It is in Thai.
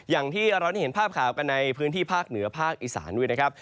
อย่างที่เราได้เห็นภาพข่าวกันในพื้นที่ภาคเหนือภาคอีสานด้วยนะครับ